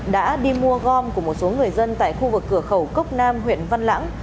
đã đi mua gom của một số người dân tại khu vực cửa khẩu cốc nam huyện văn lãng